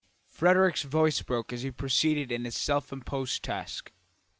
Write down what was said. Frederick's voice broke as he proceeded in his self imposed task.